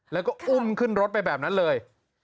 แล้วก็อุ้มขึ้นรถไปแบบนั้นเลย